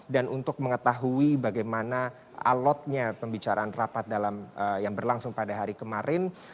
dan untuk mengetahui bagaimana alatnya pembicaraan rapat yang berlangsung pada hari kemarin